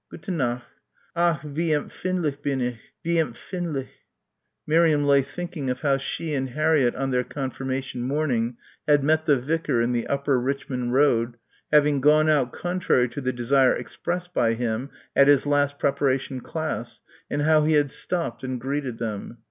"Gute Nacht. Ach, wie empfindlich bin ich, wie empfindlich...." Miriam lay thinking of how she and Harriett on their confirmation morning had met the vicar in the Upper Richmond Road, having gone out, contrary to the desire expressed by him at his last preparation class, and how he had stopped and greeted them.